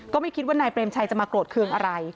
ก็ไม่คิดว่านายเปรมชัยจะมาโกรธเครื่องอะไร